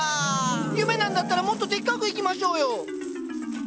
夢なんだったらもっとでっかくいきましょうよ！